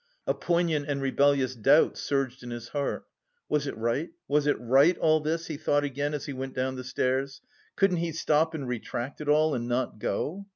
A poignant and rebellious doubt surged in his heart. "Was it right, was it right, all this?" he thought again as he went down the stairs. "Couldn't he stop and retract it all... and not go?"